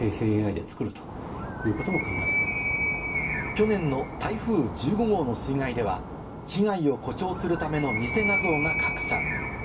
去年の台風１５号の水害では、被害を誇張するための偽画像が拡散。